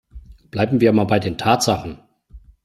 Bleiben wir mal bei den Tatsachen!